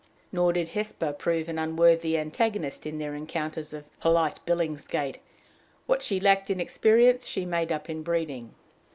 Nor did Hesper prove an unworthy antagonist in their encounters of polite Billingsgate: what she lacked in experience she made up in breeding.